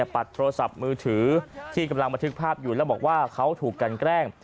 ปัดโทรศัพท์มือถือที่กำลังบันทึกภาพอยู่แล้วบอกว่าเขาถูกกันแกล้ง